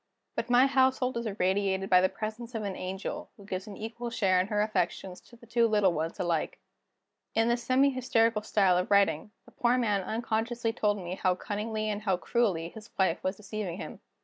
But my household is irradiated by the presence of an angel, who gives an equal share in her affections to the two little ones alike." In this semi hysterical style of writing, the poor man unconsciously told me how cunningly and how cruelly his wife was deceiving him.